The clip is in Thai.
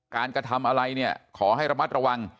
การกระทำอะไรเนี่ยขอให้ระมัดระวัง